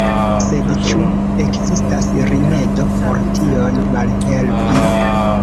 Sed ĉu ekzistas rimedo por tion malhelpi?